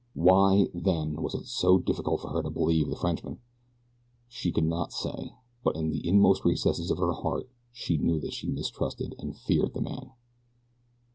Why, then, was it so difficult for her to believe the Frenchman? She could not say, but in the inmost recesses of her heart she knew that she mistrusted and feared the man.